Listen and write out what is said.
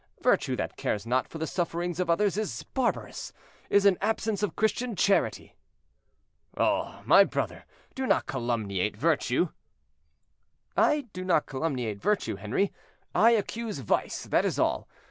Virtue that cares not for the sufferings of others is barbarous—is an absence of Christian charity." "Oh! my brother, do not calumniate virtue." "I do not calumniate virtue, Henri; I accuse vice, that is all.